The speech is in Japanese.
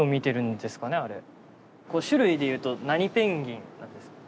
種類で言うと何ペンギンなんですか？